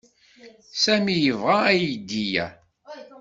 Sami yebɣa aydi-a.